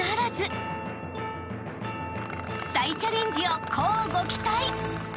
［再チャレンジを乞うご期待！］